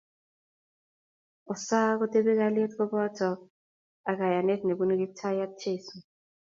Osaa kotebi kalyet kobotok ak kayanet nebunu Kiptaiyat Jeso